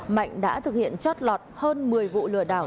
mạnh đã thực hiện chót lọt hơn một mươi vụ lừa đảo